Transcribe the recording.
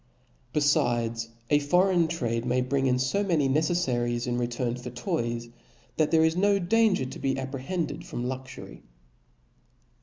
Befides, a. foreign trade [ Cbap'6. niay bring in fo many neceflarics in return for toys, that there is no danger to be apprehended from luxury.